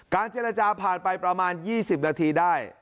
เจรจาผ่านไปประมาณ๒๐นาทีได้